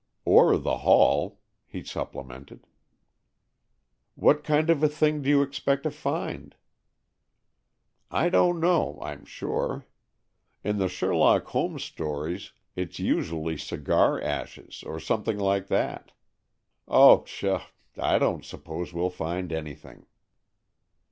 "Or the hall," he supplemented. "What kind of a thing do you expect to find?" "I don't know, I'm sure. In the Sherlock Holmes stories it's usually cigar ashes or something like that. Oh, pshaw! I don't suppose we'll find anything."